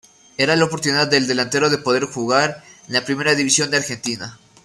Era la oportunidad del delantero de poder jugar en la Primera División de Argentina.